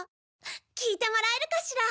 聴いてもらえるかしら？